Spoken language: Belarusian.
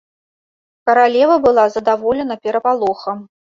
Каралева была задаволена перапалохам.